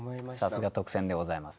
さすが特選でございます。